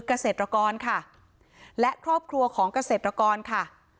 เกษตรกรค่ะและครอบครัวของเกษตรกรค่ะ